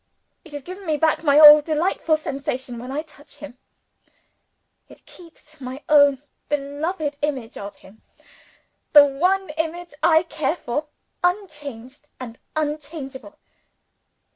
It has given me back my old delightful sensation when I touch him; it keeps my own beloved image of him the one image I care for unchanged and unchangeable.